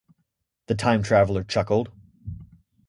The Time Traveler chuckled.